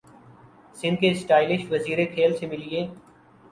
سندھ کے اسٹائلش وزیر کھیل سے ملیے